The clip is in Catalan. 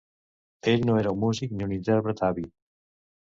Ell no era un músic ni un intèrpret àvid.